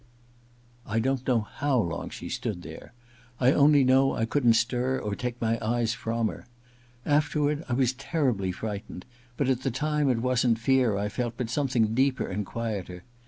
I don't know how long she stood there. I only know I couldn't stir or take my eyes from her. Afterward I was terribly frightened, but at the time it wasn't fear I felt, but some thing deeper and quieter.